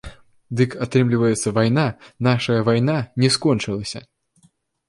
Дык, атрымліваецца, вайна, нашая вайна, не скончылася.